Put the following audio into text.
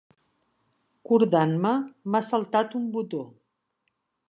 Cordant-me, m'ha saltat un botó.